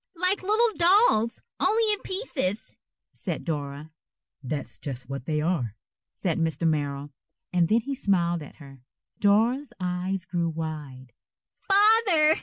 "Like little dolls, only in pieces," said Dora. "That's just what they are," said Mr. Merrill, and then he smiled at her. Dora's eyes grew wide. "_Father!